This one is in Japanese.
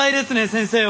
先生は。